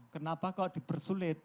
kenapa kalau dipersulit